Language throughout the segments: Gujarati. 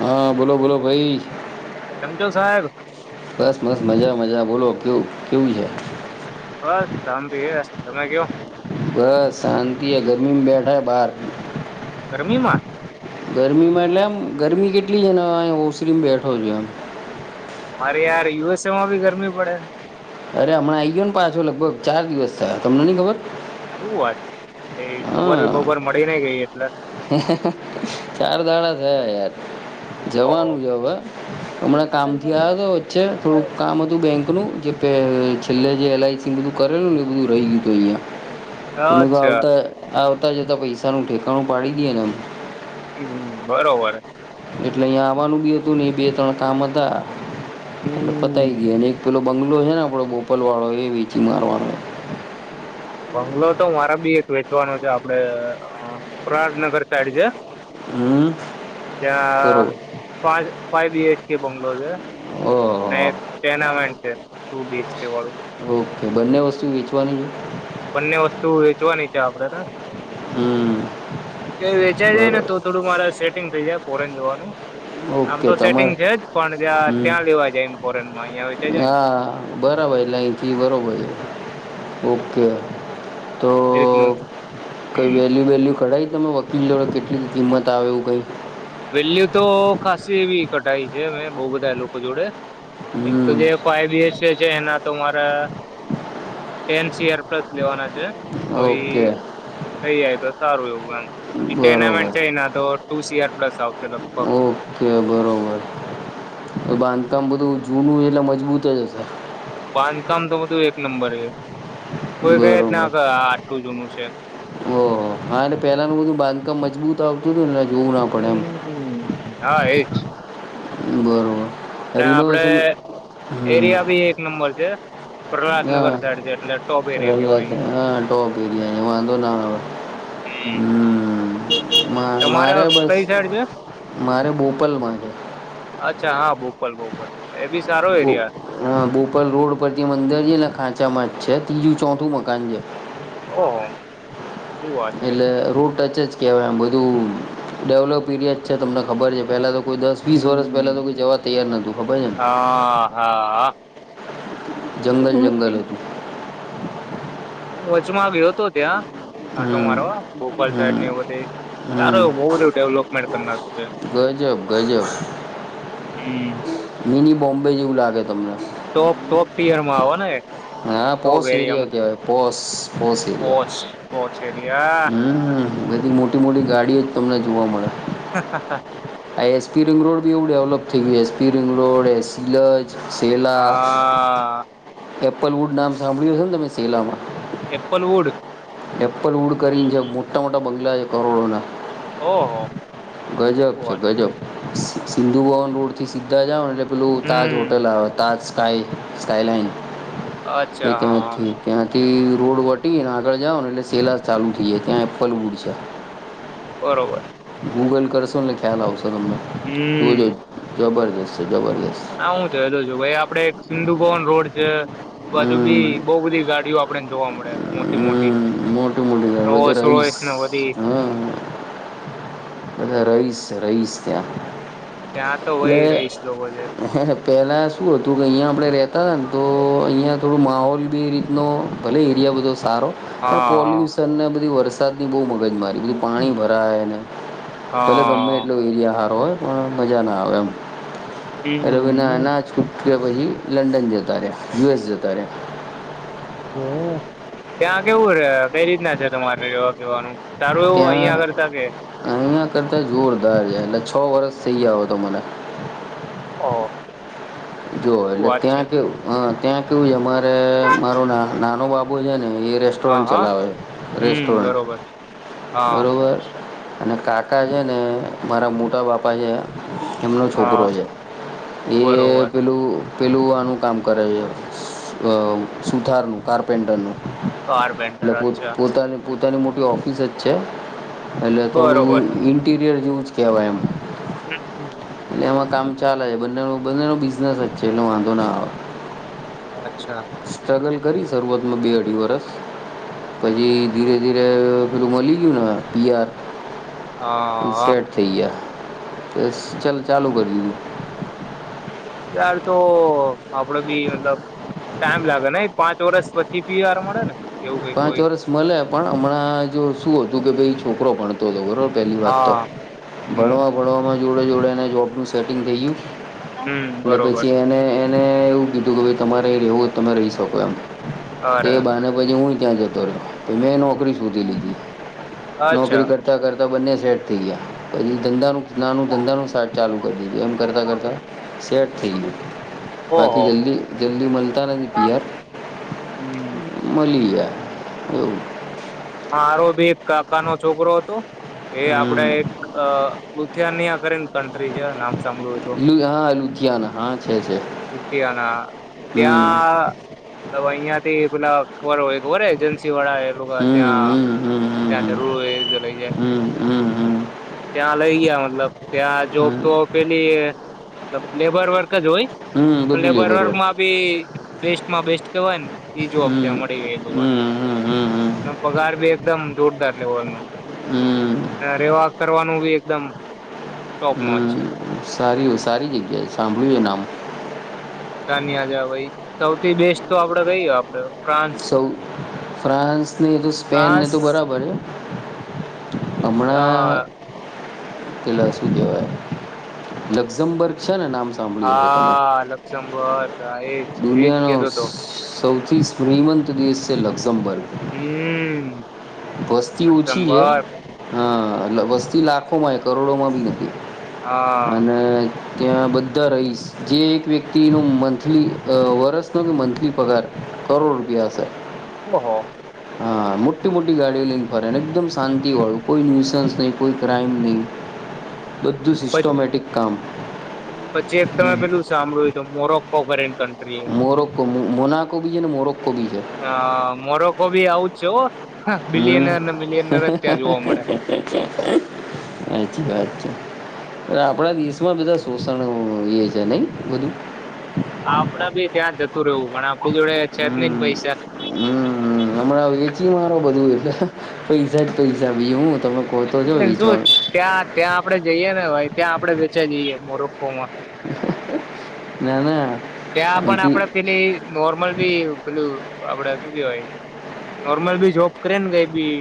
હા બોલો બોલો ભાઈ કેમ છો સાહેબ બસ બસ મજા મજા બોલો કેવું કેવું છે બસ શાંતી એ તમે કેવા બસ શાંતિ આ ગરમીમાં બેઠા બાર ગરમી માં ગરમીમાં એટલે આમ ગરમી કેટલી છે ને અ ઓસરી માં બેઠો છું એમ અરે યાર યુ એસ એ માં ભી ગરમી પડે અરે હમણાં આઈ ગયો ને પાછો લગભગ ચાર દિવસ થયા તમને નહી ખબર શવું વાત એ હા ખબર [unintelligible] મળી ને ગઈ એટલે ચાર દાડા થયા યાર ઓહો જવાનું જ હવે હમણાં કામથી આવ તો વચ્ચે થોડું કામ હતું બેંકનું પેલ છેલ્લે જે એલઆઈસી બધું કરેલું ને એ બધું રહી ગયું હતું અહિયા તમે કો અચ્છા આવતા આવ જતા જતા પૈસાનું ઠેકાણું પાડી દીએ એમ હમ બરોબર એટલે અહીયા આવવાનું બી હતું ને બે ત્રણ કામ હતા મતલબ પતાય હમ ગય ને પેલો બંગલો છે ને આપણો બોપલ વાળો એ વેચી મારવાનો બંગલો તો મારે બી એક વેચવાનો છે આપડે પ્રહાટનગર સાઈડ છે. હમ ત્યા બરોબર પાજ ફાાઈવી એચ કે બંગલોર છે. અને ઓહો ટેનામેન્ટ છે હું બીચટી વાળું ઓકે બંને વસ્તુ વેચવાની છે. બંને વસ્તુ વેચવાની છે આપડે ને હમ કે વેચાઈ જાય બરોબર ને તો થોડું મારા સેટ ટિગ થઈ જાય ફોરેન જોવાનું ઓકે તમારે હમ ત્યાં લેવા જાય એમ ફોરેનમાં અહિયાં વેચાઈ જાય ને હા બરાબર એટલે અઈથી બરોબર ઓકે તો એ રીતનું કઈ વેલ્યુ વેલ્યુ કડાઈ તમે વકીલ દો કેટલી કિંમત આવે એવુ કઈ વેલ્યુ તો ખાસ એવી કટાઈ છે મેં બો બધા લોકો જોડે એક તો હમ જે ફાઈ એચ છે જે એના તો મારે ટેન સીર પ્લસ લેવાના છે. તો ઈ ઓકે થઈ જાય તો સારું એવું એમના બરાબર છે તો ટુ સીઆર આપડા સાવથી લગભગ ઓકે બરાબર તો બાંધકામ બધું જૂનું એટલે મજબૂત જ હશે. બાંધકામ તો બધું એક નંબર કોઈ કયા [unintelligible] બરાબર આ આટલું જૂનું [unintelligible] ઓહો હા પેલાનું બધું બાંધકામ મજબૂત આવતું હતું જોવું ના પડે હમમ સા એજ [unintelligible] બરોબર ને આપડે રિનોવેશન હમ એરિયા બી એક નંબર છે પ્રહલાદનગર સાઈડ છે એટલે ટોપ એરિયા હ કેવાય ટો એ વાંધો ના આવે હમ હ તમારે મારે કઈ બસ સાઈડ છે મારે બોપલમાં છે. અચ્છા હા બોપલ બોપલ. એ બી સારો હ એરિયા બોપલ રોડ પરથી અન્દર છે ને ખાંચામાં છે ત્રીજું ચોથું મકાન છે. હોય એલે રૂટ ટ ચે જ કહેવાય એમ બધું ડેવલોપ પીરિયડ છે તમને ખબર છે પેલા તો કોઈ દસ વીસ વર્ષ હમ પહેલા તો કોઈ જવા તૈયાર નોતું ખબર છે ને. હા હા જંગલ જંગલ હતું. [inaudible] હું વચમાં ગયો હતો ત્યાં આટો હમ મારવા બોપલ સાઈડ હમ એવ બધ સારો હમ એ બહ બધું ડેવલપમેન્ટ [unintelligible] ગજબ ગજબ હમ મીની બોમ્બે જેવું લાગે તમને. ટોપ ટોપ ટિયર માં આવવાના એ હા પોસ એરિયા કેવાય posh posh area. Posh posh area હમ્મ હમ બધી મોટી મોટી ગાડીઓ જ તમને જોવા મળે. હા હા હા. આ એસ પી રિંગ રોડ બી એવું ડેવલપ થઈ ગયું એસ પી રિંગ રોડ એ સિલચ હા. એપલવૂડ નામ સાંભળ્યું છે ને તમે શેલામાં. એપલ વુડ એપલવુડ કરીને છે મોટા મોટા બંગલા છે કરોડોના. હા હા. ગજબ છે ગજબ સિંધુ ભવન રોડ થી સીધા જાવ એટલે એલું તાજ હમ હોટલ અવે તાજ સ્કાય સ્કાય [unintelligible] તે અચ્છા હા ત્યાં થી હા. ત્યાંથી. રોડ વટીંગને આગળ જાઓ ને એટલે સેલા ચાલુ થઈ જાય ત્યાં એ એપલવૂડ છે. બરોબર. ગૂગલ કરશો ને ખ્યાલ આવશો. બરોબર જોજો જબર રેશે જબરજ હા હું જરૂર જોવું એ આપડે એક સિંધુ ભવન રોડ છે બાજુ બી હમ બઉ બધી ગાડીઓ આપડેને જોવા મળે મોટી મોટી. હમ મોટું રોલ્સ બધે રોયસ ને બધી રહીશ હા. બધા રઈસ છે રઈસ ત્યાં. ત્યાં તો એટલે વય રહીશ લોકો છે. પેલા શું હતું કે અહીંયા આપડે રેતા હતા ને તો અહિયાં થોડું માહોલ એ રીત નો ભલે એરિયા બધો સારો પણ હા પોલ્યુશન ને બધી વર બહુ મગજ મારી બ પાણી ભરાયને ભલે ગમે હા એટલો એરિયા ાર હોય પણ મજા ના આવે એમ હમ હ કે વહી લંડન જતા રહ્યા યએસ જતા રે ત્યાં કેવું રે કઈ રીતના છે તમારે જોવા જવાનું ત્યાં અહયા કરતા જોરદાર છે લ સ વરષ થઈ આવ હતો મને ઓહ જો શું એટલે વાત છે ત્યાં કે અ ત્યાં કેવું છે મારે મારો નાનો બાપુ છે ને એ હા રેસ્ટોરન્ટ હા ચલાવે હમ રેસ્ટોરન્ટ બરોબર હા બરોબર અને કાકા છે ને મારા મોટા બાપા છે એમનો છોકરો છે એ પેલું પેલું આનું કામ કરે છે સુથારનું કાર્પેન્ટરનું બાર બેનન્ટર એટલે પો અચછા પોતાની પોતાની મોટી ઓફિસ જ છે એ થોડું બરોબર ઇન્ટીરયર યુઝ કેવાય એમ હમ હમ એટલે એમાં કામ ચાલે બંને બ બિઝનેસ વચ્ચે એલો વાંધો ન આવે અચ્છા સ્ટ્રગલ કરી શરૂઆતમાં બે અઢી વરસ પછી ધીરે ધીરે પેલું મળી ગયું ને પીઆર હા સેટ થઈ ગયા એ ચાલ ચાલુ કરી દ દ યાર તો આપડે બી મતલબ ટાઈમ લાગે ને પાંચ વરષ પછી બીયાર મળે ને એવું કઈક પાંચ હોય વરષ મળે પણ હમણાં જો શું હતું કે ભાઈ ઉપકરો પણતો હતોો બરો પહેલી વાત તો હા હમ ભણવા ભણવામાં જોડે જોડે એને જોબનું સેટિંગ થઈયું હમ એટટલે બરોબર પછી એને એ ને એવું પીધું તમારે એ રહેવું તમે રહી શકો એમ અરે તો બને પછી હું ્યા કરતો રહ તો મેન ઓ શધી લીધી નોકરી અચ્છા કરતા કરતા બંને ે થ ગયા પછ દંધાનું નાનું ધંધા નું શટ ચાલુ કરી દીધું એમ કરતાં કરતા શેટ [inaudible] બાકી ઓહો જલ્દી જલ્દી મળતા નથી પિયાર હમ મળી ગયા [inaudible] હરો ભી એક કાકાનોો છોકરો હતો એ આપડે હમ એક અ ઉુથિયાનની આ કરી કન્ટ્રી છે નામ સાંભળ તો લુ હા લુધિયાના હા છે છે ના હમ ત્યાં અહં પેલા ખબર હોય ખબર એજન્સી વાળા હમ ત્યાં હમ હમ ત્યાં હમ જરૂ એીધ લઈ જાય હમ હમ હમ હમ ત્યાં લઈ ગયા મતલબ ત્યાં જોબ હમ તો પેલી લેબર વ હોય હમ તો બધું લ્યો લેબર બરોબર વર્કમાં બી બેસ્ટમાં બેસ્ટ કેવન હમ હમ હમ હમ હમ પગાર બી એકદમ જોરદાર લેવલ નો હમ અને રેવા કરવાનું બી એકદમ ટોપ નોચ હમ સારી હો સારી જગ્યાએ સાંભળ્યું છે નામ કનીિયા જ ભાઈ સૌથી બેસ્ટ તો આપડે કહી આપડ સૌ ફ્રાન્સને તો સ્પેનને તો બરાબર છે એ હ તેલા શ દેવા લક્ઝમબર્ગ છે ને નામ સાંભળ્યું હતું હા લક્ષ્મબર્ એ દુનિયા ન સૌ અથી સ્મ્રીમંત દેશ છે લક્ઝમબર્ગ હમ વસ્તી ઓછી છે લક્ઝમબર્ગ હ વસ્તી લાખોમાં એ કરોડોમાં બી નથી હા અને ત્યાં બધા રહીશ જે એક વ્યક્તિનું મંથલી વરસનો કે મંથલી પગાર કરોડ રૂપિયા હશે ઓ ઓહ મુટું મુટ ગાડીઓ લઈને ફરે ને એકદમ શાંતિ વાળું કોઈ ન્યુસન્સ નહી કોઈ ક્રાઈમ નહીિ બધું પ- સિસ્ટોમેટિક કામ [inaudible] પછી એક તમે પેલું સાંભળ્યું તો મોરોક કોપરે મોર ક મુ મોના કો બી જે ને મોંરા કો હ મોરો કો ભી એવુજ છે હો હમ બિલિયનર ને મિલિયનર જ ત્યાં જોવા મળે અચ્છા અચછા આપણા દેશમાં બધા શોષણ એ છે નહી બધું આપડા બી ત્યાં જતું રહવું પણ આપણી જોડે છે નહી હમ પૈસા પછી મારો બધું એલે પૈસા જ પૈસા બી તમે કહો તો છો શું વેચવાનું ત્યાં ત્યાં આપડે જઈએ ને ભાઈ ત્યાં આપડે વેચી જઈએ મોરો ફોમ ના ના ત્યા પણ અહીંથી આપણે પેલી નોર્મલ બી પેલું આપડે શું કેવાય નોર્મલ બી જોબ કરે ને કઈ બી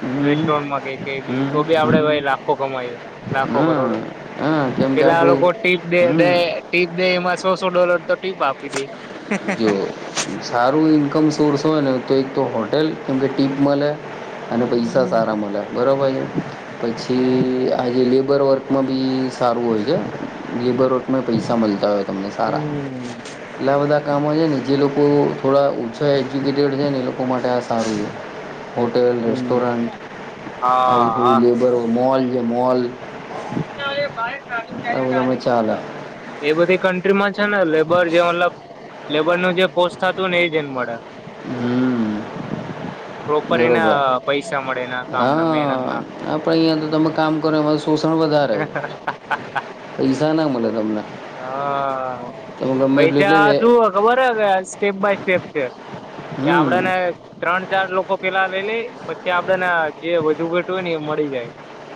હમ રેસ્ટોરન્ટ માં કઈ હમ તો બી આપડે હમ ભાઈ લાખો કમાય લાખો હા કરોડ હા કેમ કે પેલા આપણું લોકો ટીપ હમ દેે ટીપ દે એમાં સો ડોલર તો ટીપ આપી દે જો સારું ઇન્કમ સોર્સ હોય ને તો એક તો હો હટેલ કેમકે ટીપ મલે અને પૈસા હમ સારા મલે બરોબર છે પછી હમ આજે લેબર વર્ક માં બી સારું હોય છે લેબર રટમાં પૈસા મળતા હોય છે તમ ને સારા હમ એટલે વધા ગામ છે ને જે લોકો થોડા ઓછા એજ્યુકેટેડ છે ને એ લોકો માટે આ સારું છે હોટેલ હમ રેસ્ટોરન્ટન્ટ આવું હા હા બધું લેબર મોલ જે મોલ ચા એ આવું તમે ચાલે બધી ફમાં છે ને લેબર જે મતલબ લેબર નું જે પોસ્ટ હતું ને એ જને મળે હમ પ્રોપર એના બરોબર પૈસા મળે એના કામના મહેનત હા ના આપ અહિયાં તો તમે કામ કરો એમાં શોષણ વધારે પૈસા ના મળે તમને હા તમે ગમે એટલું એટલે પૈસા વે તું ખબર હ સ્કીપ બાય સેફ છેે એ આપડે હમ ને ત્રણ ચાર લોકો પેલા લઈ લે પછી આપડે જે વધુ ઘેટું હોય ને એ મળી જાય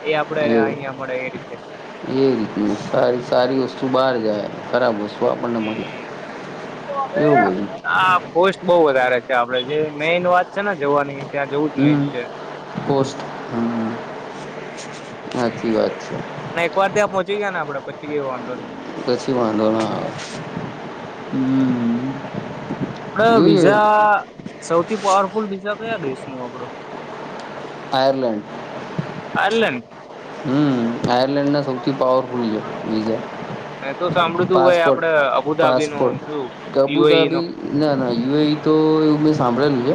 એ આપડે એવું અહંયા મળે એ ર એ રીત સારી સારી વસ્તુ બહાર જાય ખરાબ છે હવે એવું બધું આ પોસ્ટ બહ વધારે છે આપડે જે મેન વાત છે ને જોવા નહી હમ પોસ્ટસ્ટ હમ સાાચી વાત છે ના એક વાર ત્યાં પહોંચ ગયા ને આપડ પછી એવો વાંધો નહીં પછી વાંધો ના આવે હમ પણ બીજા સૌથી પાવરફુલ બીજા કયા દેશ ન આપડો આયરલેન્ડ અલેન હમ આયર્લેન્ડ ના સૌથી પાવરફુલ વિઝા મેં તો સાંભળ્યું તું ભાઈ પાસપોર્ટ આપડે અબુધાબી નું પાસપોટ શું કબુ ત પીઓઈ નો બી ના ના યુ એ તો એવું મેં સાંભળેલું છે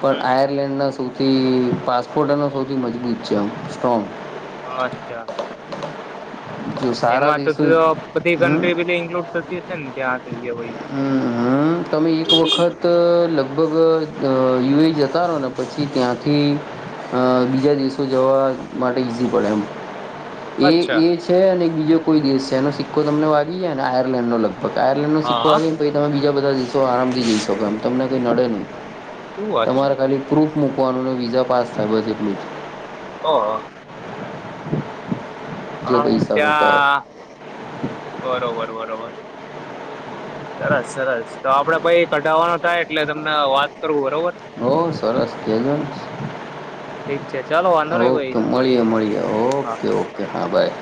પણ આયરલેન્ડના સૌથી પાસપોર્ટ એનો સૌથી મજબૂત છે આમ સ્ટ્રોંગ અચ્છા જો સારા એમાં તો દેશો બધી હમ કન્ટ્રી પેલી ઈન્કલુડ થતી ત્યાં થઈ ગયા હોય હમ હમ તમે એક વખત લગ લગભગ યુ એ જતા રહો ને પછી ત્યાંથી બીજા દેશો જવા માટે ઇઝી પડે એમ એ અચ્છા એ છે અને બીજો કોઈ દેશ છે એનો તો તમને વાગીે ને આયર્લેન્ડ નોગ બાયલન્નું શ હા તમે બીા બ બધા દિવસો આરામથી જઈ શકો એમ તમને કંઈ નડે નહીં શું વાત છે તમારે ખાલી પ્રૂફ મૂકવાનું અનેન વિઝા પાસ થાય છે, એટલું જ. હ, હ. જ અ જે પૈસા થતા હોય ત્યા બરોબર બરાબર, સરસ સરસ. તો આપડે પઈ કઢાવવાનો થાય, એટલે તમને વાત કરવું હો. ઓ, સરસ. કેજ, ઠીક છે ચાલો વાંધો નઈ ભાઈ ઓકે. મળીએ, આપડે મળીએ. હા ઓકે, ઓકે. હા, બાય.